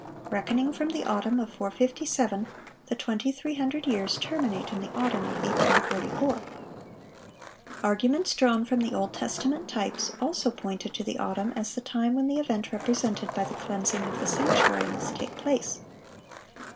Reckoning from the autumn of 457, the 2300 years terminate in the autumn of 1844.(650) Arguments drawn from the Old Testament types also pointed to the autumn as the time when the event represented by the "cleansing of the sanctuary" must take place.